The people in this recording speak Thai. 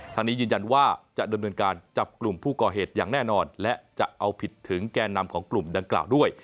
ทางนี้ยืนยันว่าจะดำเนินการจับกลุ่มผู้ก่อเหตุอย่างแน่นอนและจะเอาผิดถึงแก่นำของกลุ่มดังกล่าวด้วย